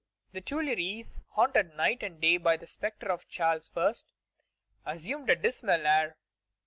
The Tuileries, haunted night and day by the spectre of Charles I., assumed a dismal air.